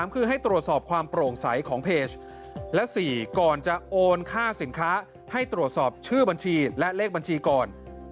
คือให้ตรวจสอบความโปร่งใสของเพจและ๔ก่อนจะโอนค่าสินค้าให้ตรวจสอบชื่อบัญชีและเลขบัญชีก่อน